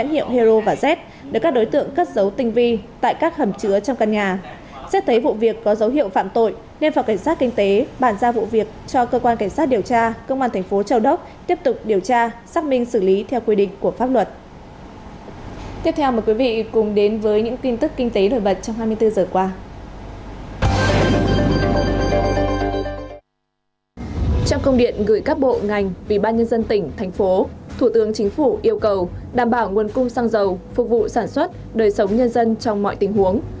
thủ tướng chính phủ yêu cầu đảm bảo nguồn cung xăng dầu phục vụ sản xuất đời sống nhân dân trong mọi tình huống